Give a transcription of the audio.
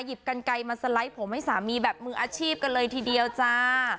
กันไกลมาสไลด์ผมให้สามีแบบมืออาชีพกันเลยทีเดียวจ้า